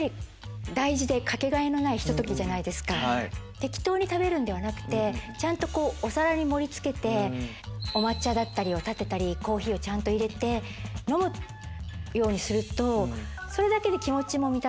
適当に食べるんではなくてちゃんとお皿に盛り付けてお抹茶だったりをたてたりコーヒーをちゃんと入れて飲むようにするとそれだけで。